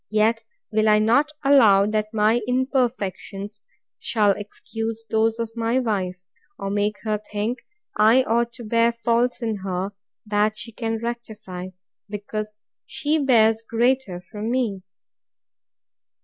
Yet will I not allow, that my imperfections shall excuse those of my wife, or make her think I ought to bear faults in her, that she can rectify, because she bears greater from me.